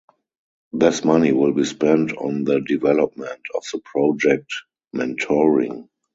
This money will be spent on the development of the project "Mentoring".